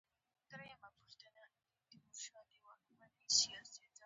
په کال یو زر نهه سوه یو اویا کې د ډسمبر پر اوه ویشتمه.